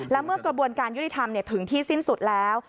และเมื่อกระบวนการยุติธรรมถึงที่สิ้นสุดแล้ว